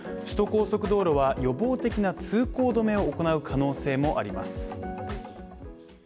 首都高速道路は予防的な通行止めを行う可能性もあります。